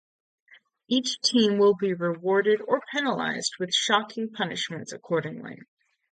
Each team will be rewarded or penalized with shocking punishments accordingly.